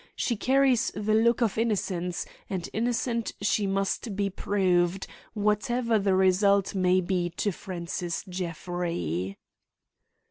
She carries the look of innocence, and innocent she must be proved, whatever the result may be to Francis Jeffrey."